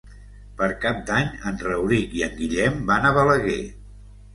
Per Cap d'Any en Rauric i en Guillem van a Balaguer.